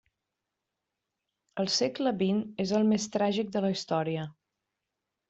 El segle vint és el més tràgic de la història.